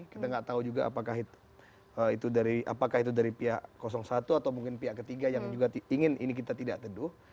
kita nggak tahu juga apakah itu dari apakah itu dari pihak satu atau mungkin pihak ketiga yang juga ingin ini kita tidak teduh